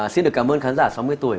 xin được cảm ơn khán giả sáu mươi tuổi